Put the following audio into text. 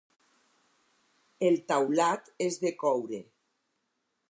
El taulat és de coure.